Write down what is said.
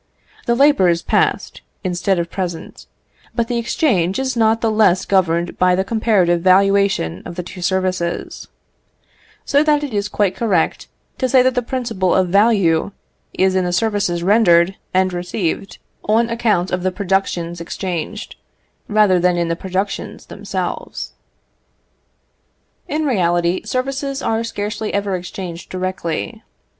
The labour is past, instead of present; but the exchange is not the less governed by the comparative valuation of the two services: so that it is quite correct to say that the principle of value is in the services rendered and received on account of the productions exchanged, rather than in the productions themselves. In reality, services are scarcely ever exchanged directly.